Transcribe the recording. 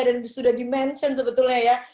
dan sudah dimenion sebetulnya ya